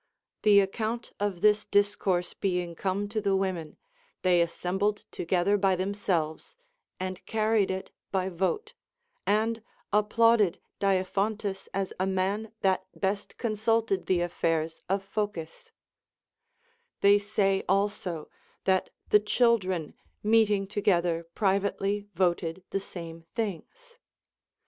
The account of this discourse bemg come to the Λvomen, they assembled together by them selves, and carried it by vote, and applauded Daiphantus as a man that best consulted the affairs of Phocis ; they say also, that the children meeting together privately voted the same things.